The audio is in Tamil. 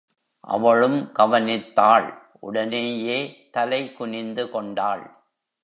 அவளும் கவனித்தாள், உடனேயே தலை குனிந்து கொண்டாள்.